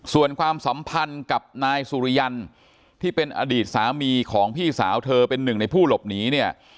ส่วนความสัมพันธ์กับนายสุริยันที่เป็นอดีตสามีของพี่สาวเธอเป็นหนึ่งในผู้หลบหนีเนี่ย